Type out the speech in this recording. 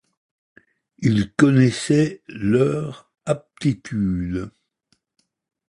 Il connaissait leurs aptitudes